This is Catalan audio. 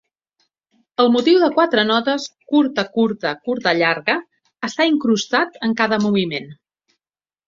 El motiu de quatre notes "curta-curta-curta-llarga" està incrustat en cada moviment.